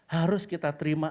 harus kita terima